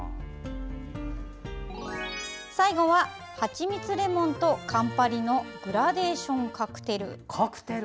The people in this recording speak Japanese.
最後ははちみつレモンとカンパリのグラデーションカクテル。